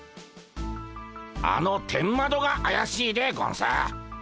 あの天窓があやしいでゴンス。